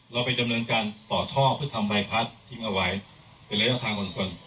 เราไปดำเนินการต่อท่อเพื่อทำใบพัดทิ้งเอาไว้เป็นระยะทางบนชน